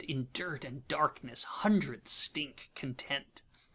In dirt and darkness, hundreds stink content.